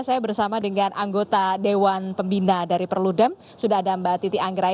saya bersama dengan anggota dewan pembina dari perludem sudadamba titi anggra